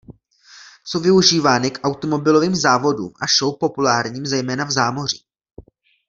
Jsou využívány k automobilovým závodům a show populárním zejména v zámoří.